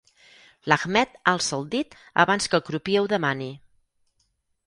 L'Ahmed alça el dit abans que el crupier ho demani.